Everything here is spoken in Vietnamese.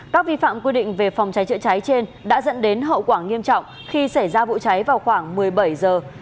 các vi phạm quy định về phòng cháy chữa cháy trên đã dẫn đến hậu quả nghiêm trọng khi xảy ra vụ cháy vào khoảng một mươi bảy giờ